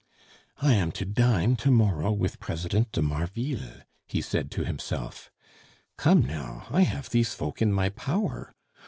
"I am to dine to morrow with President de Marville!" he said to himself. "Come now, I have these folk in my power.